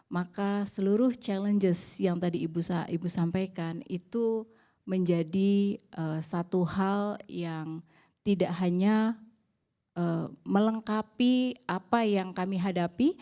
maka seluruh challenges yang tadi ibu sampaikan itu menjadi satu hal yang tidak hanya melengkapi apa yang kami hadapi